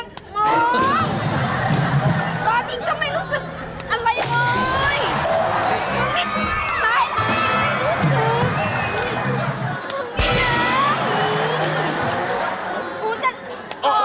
ตอนนี้ทำไมรู้สึกอะไรเลย